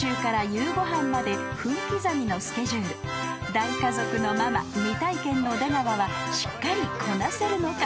［大家族のママ未体験の出川はしっかりこなせるのか？］